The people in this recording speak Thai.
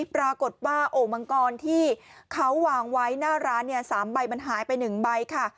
ปรากฏว่าโอ่งมังกรที่เขาวางไว้หน้าร้านเนี่ย๓ใบมันหายไป๑ใบค่ะ